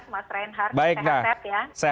mbak renhat sehat sehat ya